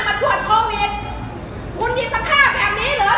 มาตรวจโควิดคุณอยู่สภาพแบบนี้เหรอศรีนักษณีย์ขอนแก่ง